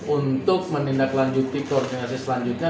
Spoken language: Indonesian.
untuk menindaklanjuti koordinasi selanjutnya